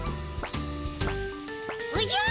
おじゃ！